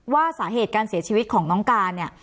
ว่าสาเหตุการเสียชีวิตของน้องการเนี่ย